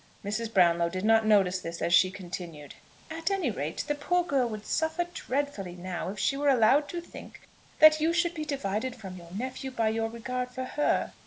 Mrs. Brownlow did not notice this as she continued, "At any rate the poor girl would suffer dreadfully now if she were allowed to think that you should be divided from your nephew by your regard for her.